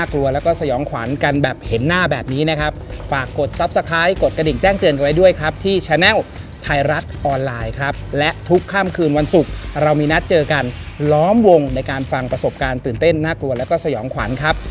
ประสบการณ์ตื่นเต้นน่ากลัวแล้วก็สยองขวัญครับ